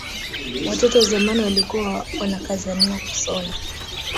Watoto wa zamani walikuwa wanakazaniwa kusona